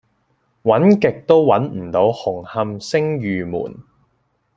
搵極都搵唔到紅磡昇御門